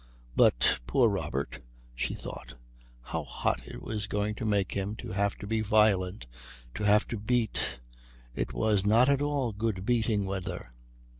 But poor Robert, she thought how hot it was going to make him to have to be violent, to have to beat! It was not at all good beating weather....